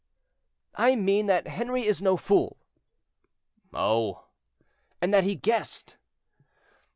"I mean that Henri is no fool." "Oh!" "And that he guessed."